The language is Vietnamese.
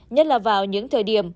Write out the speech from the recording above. nhất là vào những thời điểm